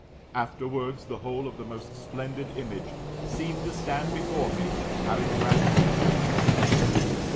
Afterwards, the whole of the most splendid image seemed to stand before me, having gradually shaken off the sea.